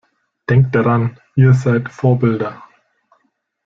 Denkt daran, ihr seid Vorbilder!